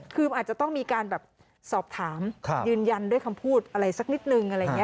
คืออาจจะต้องมีการสอบถามยืนยันด้วยคำพูดอะไรสักนิดนึง